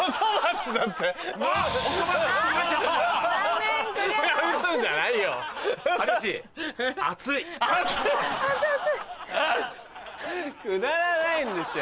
くだらないんですよ